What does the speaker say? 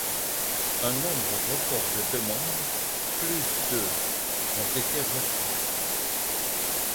Un nombre record de demandes - plus de - ont été reçues.